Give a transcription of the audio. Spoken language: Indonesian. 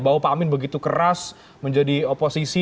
bahwa pak amin begitu keras menjadi oposisi